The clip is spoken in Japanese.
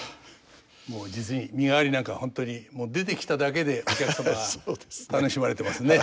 もう実に「身替」なんかは本当にもう出てきただけでお客様が楽しまれてますね。